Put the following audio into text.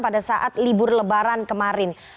pada saat libur lebaran kemarin